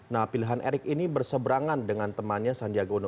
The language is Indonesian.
nah pilihan erick ini berseberangan dengan temannya sandiaga uno